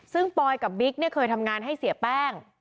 ซึ่งปอยกับบิ๊กเนี่ยเคยทำงานให้เสียแป้ง